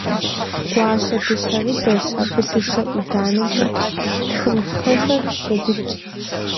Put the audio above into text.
Гуащэ дыщэрыдэщ. Абы дыщэ ӏуданэкӏэ тхыпхъэхэр хедыкӏ.